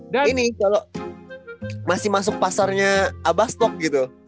dan ini kalau masih masuk pasarnya abastok gitu